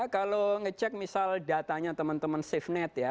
kalau ngecek misal datanya teman teman safenet ya